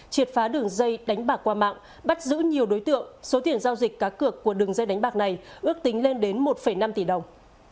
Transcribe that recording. triệt phá đường dây đánh bạc qua mạng bắt giữ nhiều đối tượng số tiền giao dịch cá cược của đường dây đánh bạc này ước tính lên đến một năm tỷ đồng